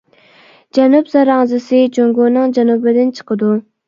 جەنۇب زاراڭزىسى : جۇڭگونىڭ جەنۇبىدىن چىقىدۇ.